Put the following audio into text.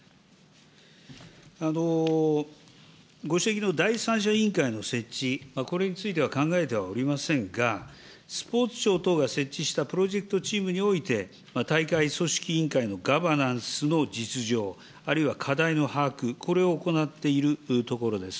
ご指摘の第三者委員会の設置、これについては考えてはおりませんが、スポーツ庁等が設置したプロジェクトチームにおいて、大会組織委員会のガバナンスの実情、あるいは課題の把握、これを行っているところです。